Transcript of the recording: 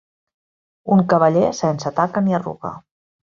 Un cavaller sense taca ni arruga.